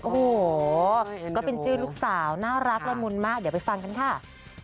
โอ้โหก็เป็นชื่อลูกสาวน่ารักละมุนมากเดี๋ยวไปฟังกันค่ะ